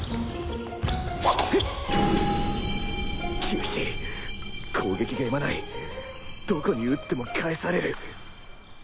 厳しい攻撃がやまないどこに打っても返される